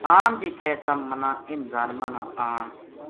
خان جے کہیو تَم مَنا اِنھ ظالماں نا آن